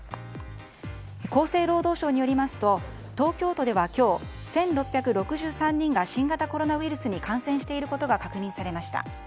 厚生労働省によりますと東京都では今日１６６３人が新型コロナウイルスに感染していることが確認されました。